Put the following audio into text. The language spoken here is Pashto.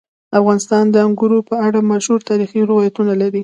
افغانستان د انګورو په اړه مشهور تاریخي روایتونه لري.